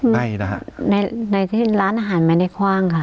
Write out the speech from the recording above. ไม่นะครับในที่ร้านอาหารมันได้คว้างค่ะ